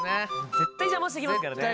絶対邪魔してきますからね。